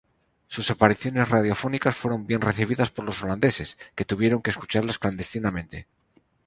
Sus apariciones radiofónicas fueron bien recibidas por los holandeses, que tuvieron que escucharlas clandestinamente.